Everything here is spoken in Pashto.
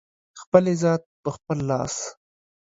خپل عزت په خپل لاس